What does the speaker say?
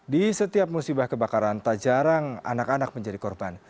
di setiap musibah kebakaran tak jarang anak anak menjadi korban